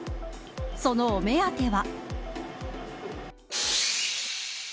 そのお目当ては。